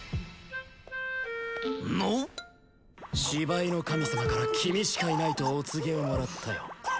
芝居の神様から君しかいないとお告げをもらったよ